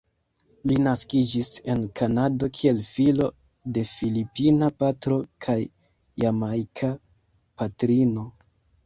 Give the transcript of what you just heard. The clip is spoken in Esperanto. Li naskiĝis en Kanado kiel filo de filipina patro kaj jamajka patrino.